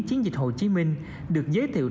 chiến dịch hồ chí minh được giới thiệu